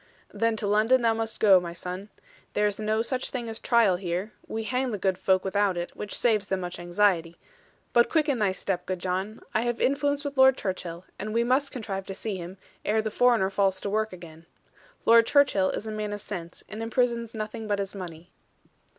'Then to London thou must go, my son. There is no such thing as trial here: we hang the good folk without it, which saves them much anxiety. But quicken thy step, good John; I have influence with Lord Churchill, and we must contrive to see him, ere the foreigner falls to work again. Lord Churchill is a man of sense, and imprisons nothing but his money.'